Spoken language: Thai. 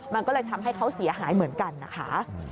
มันก็เลยทำให้เขาเสียหายเหมือนกันนะคะ